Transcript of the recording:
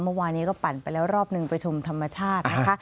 เมื่อวานนี้ก็ปั่นไปแล้วรอบหนึ่งไปชมธรรมชาตินะคะ